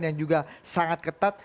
yang juga sangat ketat